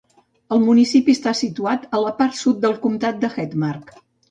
El municipi està situat a la part sud del comtat de Hedmark.